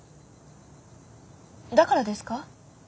だからですか？